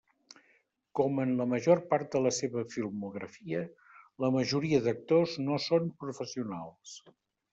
Com en la major part de la seva filmografia, la majoria d'actors no són professionals.